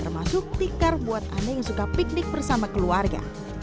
masuk tikar buat anak yang suka piknik bersama keluarga